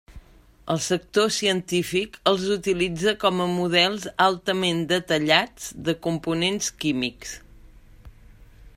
El sector científic els utilitza com a models altament detallats de components químics.